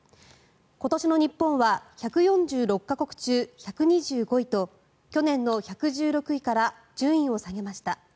今年の日本は１４６か国中１２５位と去年の１１６位から順位を下げました。